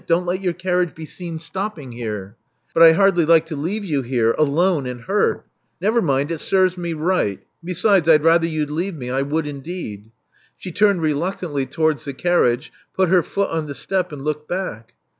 Don't let your carriage be seen stopping here." But I hardly like to leave you here alone and hurt" Never mind me: it serves me right. Besides, I'd rather you'd leave me, I would indeed." She ttimed reluctantly towards the carriage; put her foot on the step ; and looked back.